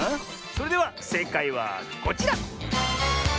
それではせいかいはこちら！